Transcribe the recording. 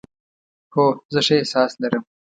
هو، زه ښه احساس لرم